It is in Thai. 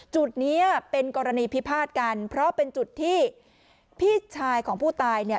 จุดเนี้ยเป็นกรณีพิพาทกันเพราะเป็นจุดที่พี่ชายของผู้ตายเนี่ย